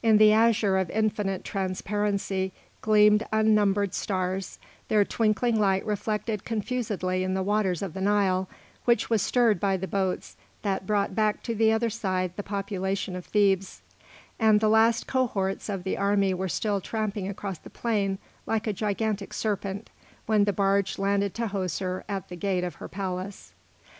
In the azure of infinite transparency gleamed unnumbered stars, their twinkling light reflected confusedly in the waters of the Nile, which was stirred by the boats that brought back to the other shore the population of Thebes; and the last cohorts of the army were still tramping across the plain, like a gigantic serpent, when the barge landed Tahoser at the gate of her palace.